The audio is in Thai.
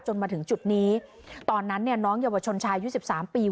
มาถึงจุดนี้ตอนนั้นเนี่ยน้องเยาวชนชายอายุสิบสามปี